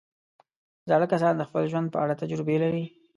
زاړه کسان د خپل ژوند په اړه تجربې لري